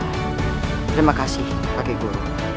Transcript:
terima kasih pak keguru